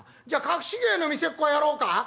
じゃ隠し芸の見せっこやろうか？」。